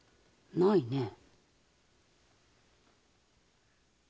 ないねえ。